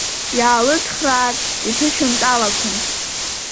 Иаалыцхраартә иҭышәынтәалақәан.